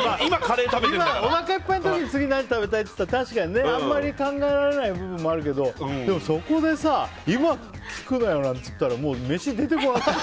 おなかいっぱいの時に、次は何食べたいってなったらあまり考えられない部分もあるけどでも、そこで今聞くなよなんて言ったらもう飯、出てこなくなる。